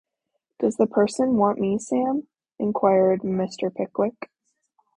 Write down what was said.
‘Does the person want me, Sam?’ inquired Mr. Pickwick.